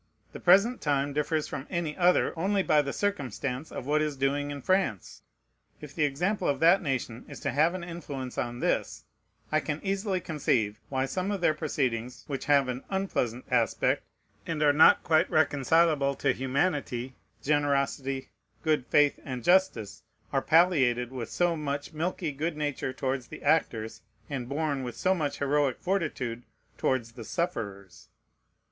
The present time differs from any other only by the circumstance of what is doing in France. If the example of that nation is to have an influence on this, I can easily conceive why some of their proceedings which have an unpleasant aspect, and are not quite reconcilable to humanity, generosity, good faith, and justice, are palliated with so much milky good nature towards the actors, and borne with so much heroic fortitude towards the sufferers.